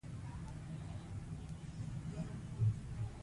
خلک اسمان ته ګوري.